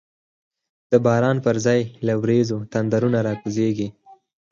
د باران پر ځای له وریځو، تندرونه راکوزیږی